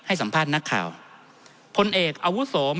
ท่านประธานครับนี่คือสิ่งที่สุดท้ายของท่านครับ